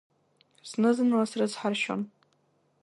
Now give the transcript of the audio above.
Знызынла сырыцҳаршьон.